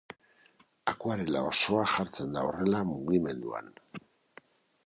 Akuarela osoa jartzen da horrela mugimenduan.